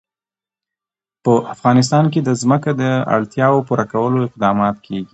په افغانستان کې د ځمکه د اړتیاوو پوره کولو اقدامات کېږي.